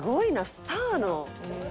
スターの。